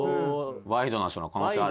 ワイドナショーの可能性あるよね。